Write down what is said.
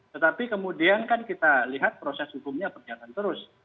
tetapi kemudian kan kita lihat proses hukumnya berjalan terus